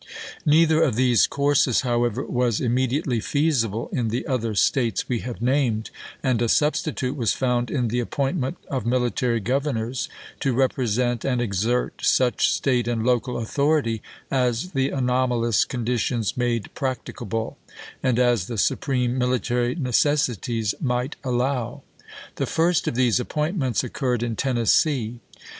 Neither of these courses, however, was immedi ately feasible in the other States we have named, and a substitute was found in the appointment of military governors to represent and exert such State and local authority as the anomalous con ditions made practicable, and as the supreme mili tary necessities might allow. The first of these 1862. appointments occurred in Tennessee.